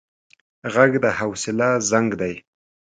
غږ د حوصله زنګ دی